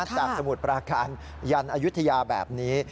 จากสมุดปราการยันยุทธิยาแบบนี้